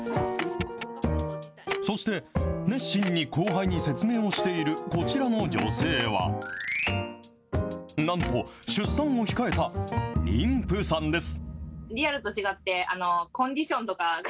そして、熱心に後輩に説明をしているこちらの女性は、なんと、出産を控えた妊婦さんです。